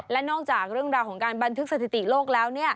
และนอกจากเรื่องราวของการบันทึกสถิติโลกแล้ว